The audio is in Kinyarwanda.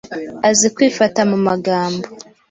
Azi kwifata mu magambo;